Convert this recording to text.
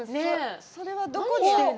それはどこに。